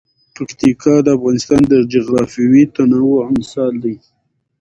پکتیکا د افغانستان د جغرافیوي تنوع مثال دی.